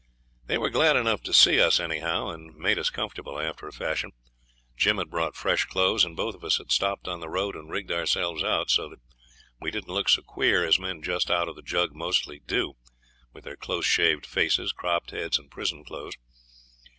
They were glad enough to see us, anyhow, and made us comfortable, after a fashion. Jim had brought fresh clothes, and both of us had stopped on the road and rigged ourselves out, so that we didn't look so queer as men just out of the jug mostly do, with their close shaved faces, cropped heads, and prison clothes.